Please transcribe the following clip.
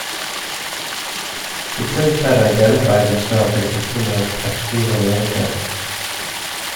The Prince had identified himself as the king of Paschima Lanka.